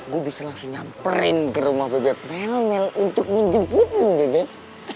gue bisa langsung nyamperin ke rumah bebek mel mel untuk menjemputmu bebek